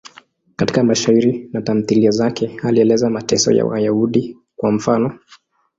Katika mashairi na tamthiliya zake alieleza mateso ya Wayahudi, kwa mfano.